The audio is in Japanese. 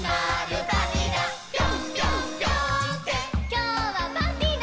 「きょうはパーティーだ！」